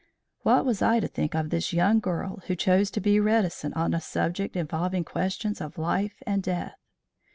What was I to think of this young girl who chose to be reticent on a subject involving questions of life and death!